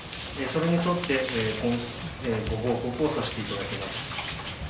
それに沿ってご報告をさせていただきます。